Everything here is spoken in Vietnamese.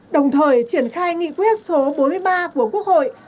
đồng thời triển khai nghị quyết số bốn mươi ba của quốc hội